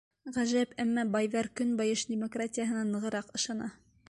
Ғәжәп, әммә байҙар Көнбайыш демократияһына нығыраҡ ышана.